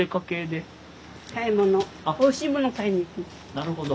なるほど。